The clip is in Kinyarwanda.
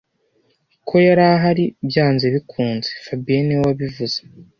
Ko yari ahari byanze bikunze fabien niwe wabivuze